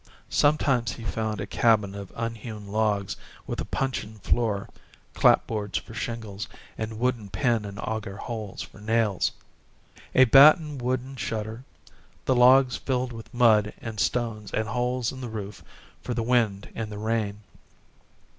Sometimes he found a cabin of unhewn logs with a puncheon floor, clapboards for shingles and wooden pin and auger holes for nails; a batten wooden shutter, the logs filled with mud and stones and holes in the roof for the wind and the rain.